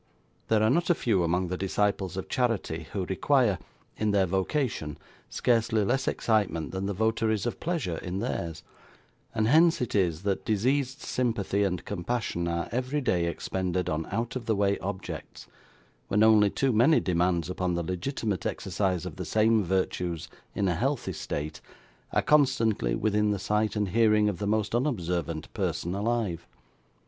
There are not a few among the disciples of charity who require, in their vocation, scarcely less excitement than the votaries of pleasure in theirs; and hence it is that diseased sympathy and compassion are every day expended on out of the way objects, when only too many demands upon the legitimate exercise of the same virtues in a healthy state, are constantly within the sight and hearing of the most unobservant person alive.